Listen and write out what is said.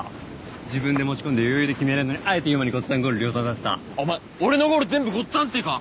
自分で持ち込んで余裕で決めれんのにあえて悠馬にごっつぁんゴール量産させたお前俺のゴール全部ごっつぁんってか？